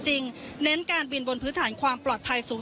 ก็จะมีการพิพากษ์ก่อนก็มีเอ็กซ์สุข่อน